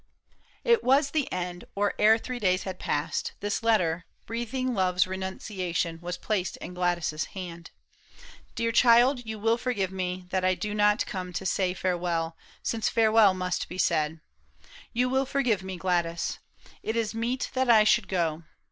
•^♦* Hi It was the end ; or e'er three days had passed, This letter, breathing love's renunciation, Was placed in Gladys' hand :" Dear child ; You will forgive me that I do not come To say farewell, since farewell must be said ; You will forgive me, Gladys. It is meet That I should go.